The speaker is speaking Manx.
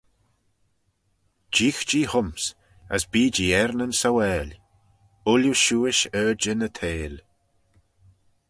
Jeeagh-jee hym's, as bee-jee er nyn sauail, ooilley shiuish ardjyn y theihll.